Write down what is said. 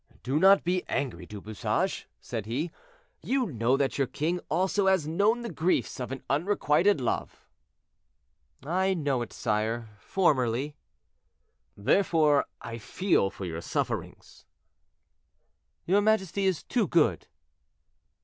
"Do not be angry, Du Bouchage," said he; "you know that your king also has known the griefs of an unrequited love." "I know it, sire, formerly." "Therefore, I feel for your sufferings." "Your majesty is too good."